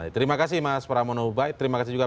terima kasih mas pramono ubai terima kasih juga